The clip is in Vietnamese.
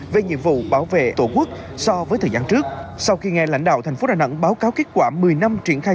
về nhiệm vụ bảo vệ tổ quốc so với thời gian trước sau khi nghe lãnh đạo thành phố đà nẵng báo cáo kết quả một mươi năm triển khai